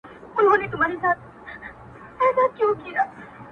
o ستا وه ځوانۍ ته دي لوگى سمه زه.